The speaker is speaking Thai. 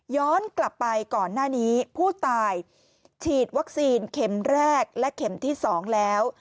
ย้อนกลับไปก่อนหน้านี้ผู้ตายฉีดวัคซีนเข็มแรกและเข็มที่๒แล้ว